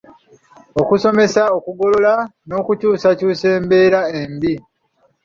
Okusomesa, okugogola n’okukyusa embeera embi